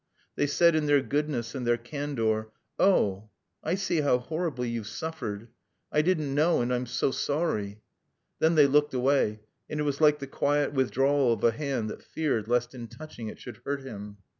They said in their goodness and their candor, "Oh, I see how horribly you've suffered. I didn't know and I'm so sorry." Then they looked away, and it was like the quiet withdrawal of a hand that feared lest in touching it should hurt him.